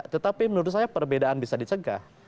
tetapi menurut saya perbedaan bisa dicegah